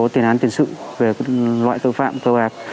tiền án tiền sự về loại tội phạm tội bạc